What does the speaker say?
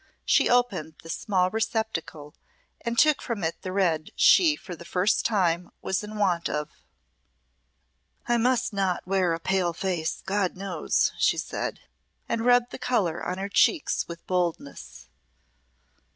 She opened this small receptacle and took from it the red she for the first time was in want of. "I must not wear a pale face, God knows," she said, and rubbed the colour on her cheeks with boldness.